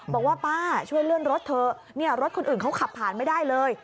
บอกว่าป้าช่วยเลื่อนรถเถอะเนี่ยรถคนอื่นเขาขับผ่านไม่ได้เลย